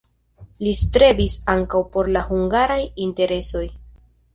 Li strebis ankaŭ por la hungaraj interesoj.